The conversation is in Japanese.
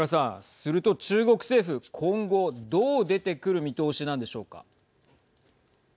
すると中国政府今後どう出てくる見通しなんでしょうか。